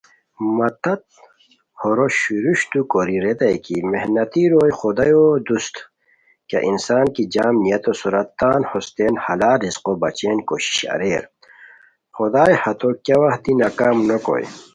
مہ تت ہورو شیروستو کوری ریتائے کی "محنتی روئے خدایو دوست" کیہ انسان کی جم نیتو سورا تان ہوستین حلال رزقو بچین کوشش اریر، خدائے ہتو کیہ وت دی ناکام نوکوئے